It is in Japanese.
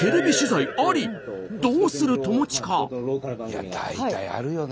いや大体あるよね。